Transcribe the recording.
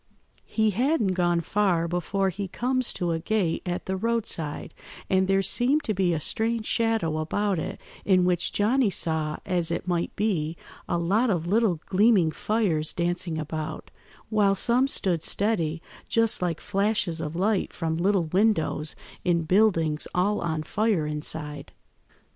"He hadn't gone far before he comes to a gate at the roadside, and there seemed to be a strange shadow about it, in which Johnny saw, as it might be, a lot of little gleaming fires dancing about, while some stood steady, just like flashes of light from little windows in buildings all on fire inside.